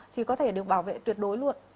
thì có thể được bảo vệ tuyệt đối luôn